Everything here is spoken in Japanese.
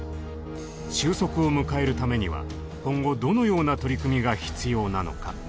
終息を迎えるためには今後どのような取り組みが必要なのか。